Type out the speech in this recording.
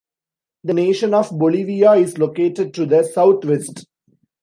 The nation of Bolivia is located to the southwest.